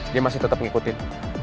dia masih tetep ngikutin